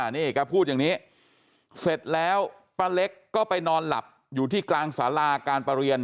นี่แกพูดอย่างนี้เสร็จแล้วป้าเล็กก็ไปนอนหลับอยู่ที่กลางสาราการประเรียน